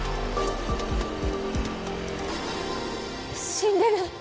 死んでる。